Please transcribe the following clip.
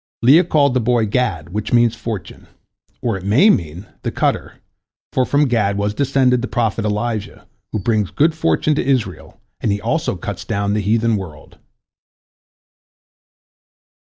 Leah called the boy Gad, which means "fortune," or it may mean "the cutter," for from Gad was descended the prophet Elijah, who brings good fortune to Israel, and he also cuts down the heathen world.